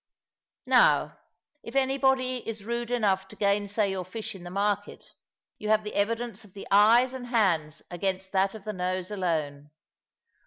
Now, if anybody is rude enough to gainsay your fish in the market, you have the evidence of the eyes and hands against that of the nose alone.